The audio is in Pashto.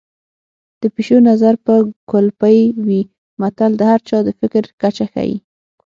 د پيشو نظر به کولپۍ وي متل د هر چا د فکر کچه ښيي